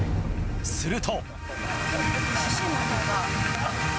すると。